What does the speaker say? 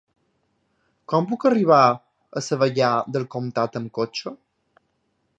Com puc arribar a Savallà del Comtat amb cotxe?